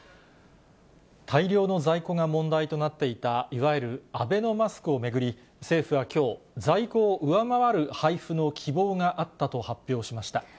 大量の在庫が問題となっていた、いわゆるアベノマスクを巡り、政府はきょう、在庫を上回る配布の希望があったと発表しました。